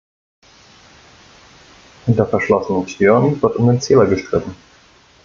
Hinter verschlossenen Türen wird um den Zähler gestritten.